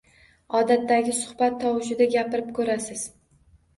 Odatdagi suhbat tovushida gapirib ko‘rasiz.